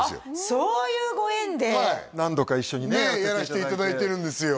そういうご縁で何度か一緒にねねえやらせていただいてるんですよ